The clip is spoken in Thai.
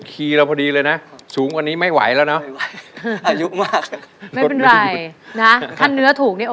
คนรักเหมือนห้างกลับมารักษาแค่ใจ